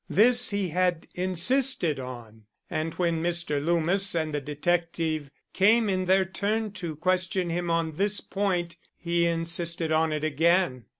This he had insisted on, and when Mr. Loomis and the detective came in their turn to question him on this point he insisted on it again.